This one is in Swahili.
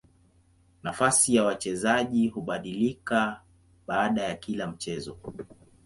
Nafasi ya wachezaji hubadilika baada ya kila mchezo.